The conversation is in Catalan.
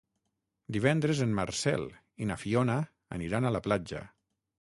Divendres en Marcel i na Fiona aniran a la platja.